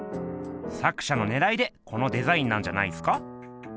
作者のねらいでこのデザインなんじゃないっすか？